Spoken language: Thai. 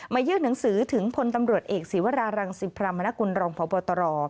มายื้อหนังสือถึงพลตำรวจเอกศีวรารังสิบพระมนักกุลรองค์พต